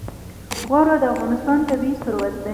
واوره د افغانستان طبعي ثروت دی.